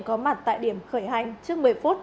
có mặt tại điểm khởi hành trước một mươi phút